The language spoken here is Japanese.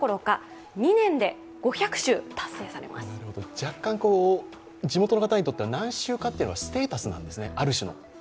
若干、地元の方にとっては何周かというのはステータスなんですね、ある種の。